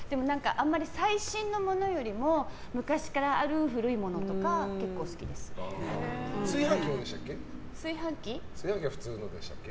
あまり最新のものよりも昔からある古いものとか炊飯器は普通のでしたっけ？